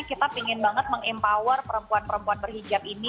kita pingin banget meng empower perempuan perempuan berhijab ini